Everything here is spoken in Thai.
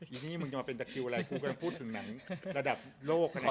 อีนี่มึงจะมาเป็นตะคิวอะไรกูกำลังพูดถึงหนังระดับโลกขนาดนี้